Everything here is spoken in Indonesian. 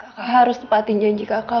kakak harus tepatin janji kakak